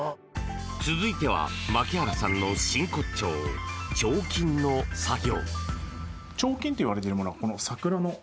続いては、牧原さんの真骨頂彫金の作業。